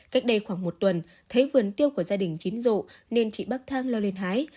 cách đây khoảng một tuần thấy vườn tiêu của gia đình chín rộ nên chị bắc thang leo lên hái